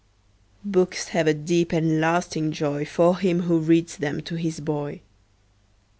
Books have a deep and lasting joy For him who reads them to his boy.